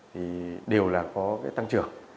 thì đều là có cái tăng trưởng